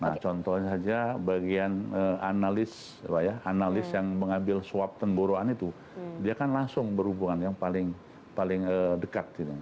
nah contohnya saja bagian analis analis yang mengambil swab temboruan itu dia akan langsung berhubungan yang paling dekat